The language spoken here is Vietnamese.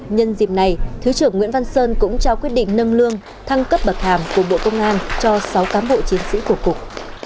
nhân dịp này thứ trưởng nguyễn văn sơn cũng trao quyết định nâng lương thăng cấp bậc hàm của bộ công an cho sáu cán bộ chiến sĩ của cục